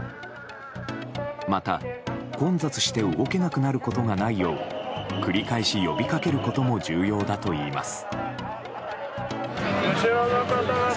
また、混雑して動けなくなることがないよう繰り返し呼びかけることも重要だといいます。